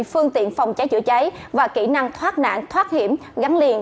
phương tiện phòng cháy chữa cháy và kỹ năng thoát nạn thoát hiểm gắn liền